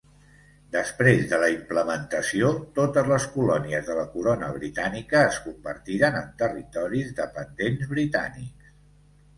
Després de la implementació, totes les colònies de la corona britànica es convertiren en territoris dependents britànics.